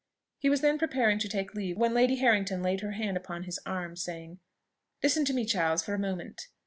He was then preparing to take his leave when Lady Harrington laid her hand upon his arm, saying, "Listen to me, Charles, for a moment.